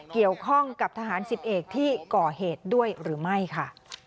เกี่ยวข้องกับทหาร๑๐เอกที่ก่อเหตุด้วยหรือไม่ค่ะ